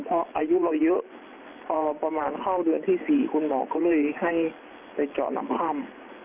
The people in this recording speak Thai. เพราะอายุเราเยอะพอประมาณเข้าเดือนที่๔คุณหมอเขาเลยให้ไปเจาะลำถ้ำ